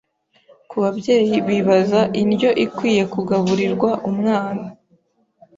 Ku babyeyi bibaza indyo ikwiye kugaburirwa umwana